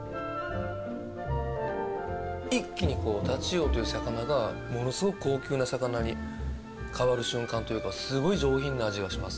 一気にこうタチウオという魚がものすごく高級な魚に変わる瞬間というかすごい上品な味がします。